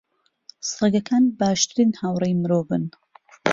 سەگەکان باشترین هاوڕێی مرۆڤن.